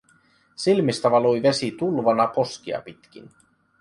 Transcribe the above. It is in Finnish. Silmistä valui vesi tulvana poskia pitkin.